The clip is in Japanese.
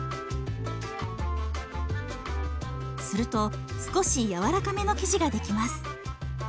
すると少し柔らかめの生地ができます。